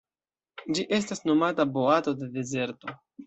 Ĝi estas nomata boato de dezerto.